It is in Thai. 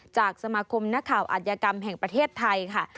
จากสมาคมนักข่าวอัธยกรรมแห่งประเทศไทยค่ะ